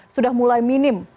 sudah mulai minim